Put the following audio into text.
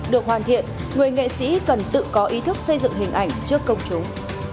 được hoàn thiện người nghệ sĩ cần tự có ý thức xây dựng hình ảnh trước công chúng